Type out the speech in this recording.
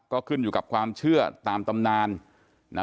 ก็ขึ้นอยู่กับความเชื่อตามตำนานนะ